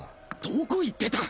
どこ行ってた！